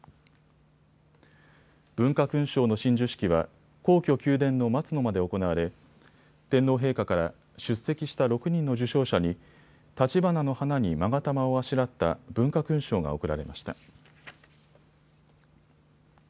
文化勲章の親授式は皇居・宮殿の松の間で行われ天皇陛下から出席した６人の受賞者にたちばなの花にまが玉をあしらった文化勲章が贈られました。